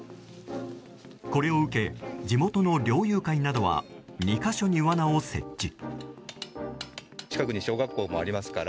これを受け、地元の猟友会などは２か所にわなを設置。